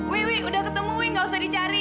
wi wi udah ketemu wi nggak usah dicari